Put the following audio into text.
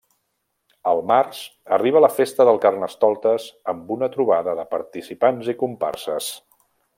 Al Març arriba la festa del Carnestoltes amb una trobada de participants i comparses.